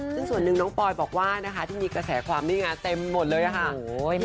ซึ่งส่วนนึงน้องปลอยบอกว่านะคะที่มีกระแสความไม่งานเต็มหมดเลยค่ะโอ้โหแม่แม่